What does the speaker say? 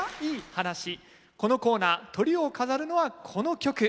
このコーナートリを飾るのはこの曲。